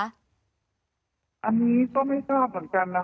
อันนี้ก็ไม่ทราบเหมือนกันนะคะ